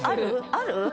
ある？